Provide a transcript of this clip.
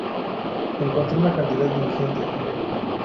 encontré una cantidad ingente